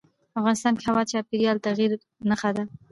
افغانستان کې هوا د چاپېریال د تغیر نښه ده.